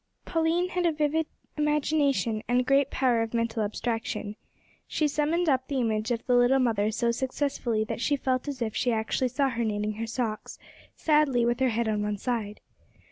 Pauline had a vivid imagination and great power of mental abstraction. She summoned up the image of the little mother so successfully that she felt as if she actually saw her knitting her socks, sadly, with her head on one side.